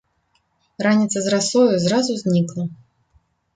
Раніца з расою зразу знікла.